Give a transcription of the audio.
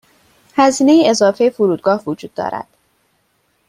هزینه اضافه فرودگاه وجود دارد.